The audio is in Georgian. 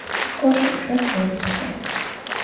კოშკი დგას ბორცვზე.